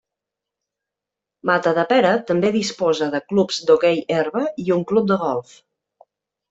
Matadepera també disposa de clubs d’hoquei herba i un club de golf.